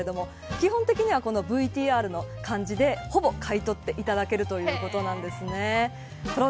基本的には、このＶＴＲの感じでほぼ買い取っていただけるということなんです。